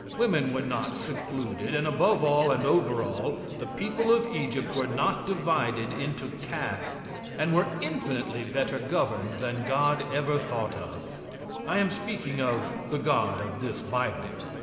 Women were not secluded; and, above all and over all, the people of Egypt were not divided into castes, and were infinitely better governed than God ever thought of. I am speaking of the God of this bible.